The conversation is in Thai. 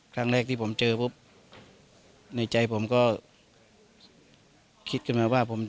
ครั้งแรกที่ผมเจอปุ๊บในใจผมก็คิดขึ้นมาว่าผม